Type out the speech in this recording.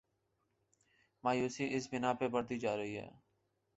مایوسی اس بنا پہ بڑھتی جا رہی ہے۔